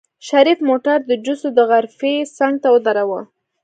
شريف موټر د جوسو د غرفې څنګ ته ودروه.